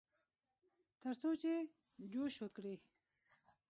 ترڅو چې جوښ وکړي.